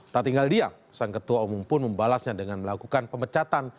tak tinggal diam sang ketua umum pun membalasnya dengan melakukan pemecatan